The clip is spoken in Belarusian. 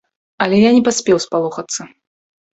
Але я не паспеў спалохацца.